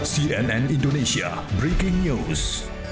cnn indonesia breaking news